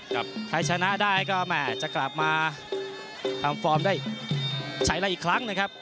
ถ้าชนะได้ก็แม่จะกลับมาทำฟอร์มได้ใช้อะไรอีกครั้งนะครับ